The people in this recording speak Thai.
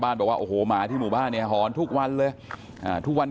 บอกว่าโอ้โหหมาที่หมู่บ้านเนี่ยหอนทุกวันเลยทุกวัน